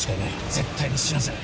絶対に死なせない。